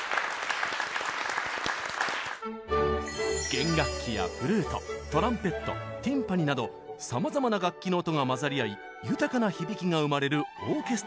弦楽器やフルートトランペットティンパニーなどさまざまな楽器の音が混ざり合い豊かな響きが生まれるオーケストラ。